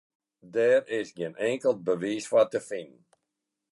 Dêr is gjin inkeld bewiis foar te finen.